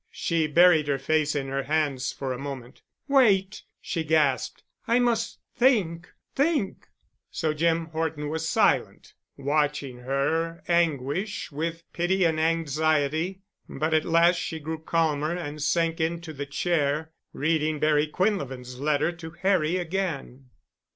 She buried her face in her hands for a moment. "Wait," she gasped. "I must think—think." So Jim Horton was silent, watching her anguish with pity and anxiety. But at last she grew calmer and sank into the chair, reading Barry Quinlevin's letter to Harry again.